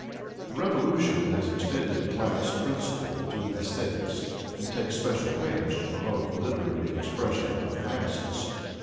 The revolution has ex tended the class principle to aesthetics and takes special pains to promote the literary expression of the masses.